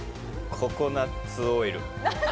ココナツオイル。